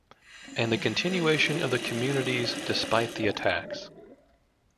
And the continuation of the communities despite the attacks.